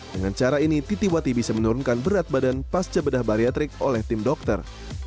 dengan cara ini titi wati bisa menurunkan berat badan pasca bedah bariatrik oleh tim dokter